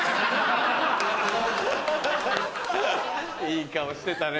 いい顔してたね